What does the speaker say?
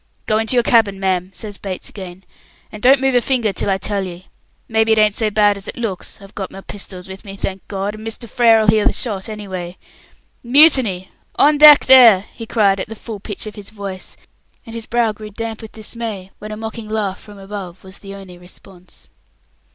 "Go into your cabin, ma'am," says Bates again, "and don't move a finger till I tell ye. Maybe it ain't so bad as it looks; I've got my pistols with me, thank God, and Mr. Frere'll hear the shot anyway. Mutiny? On deck there!" he cried at the full pitch of his voice, and his brow grew damp with dismay when a mocking laugh from above was the only response.